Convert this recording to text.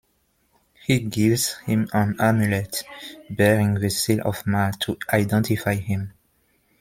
He gives him an amulet bearing the seal of Mar to identify him.